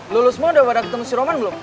lulusmu udah pada ketemu si roman belum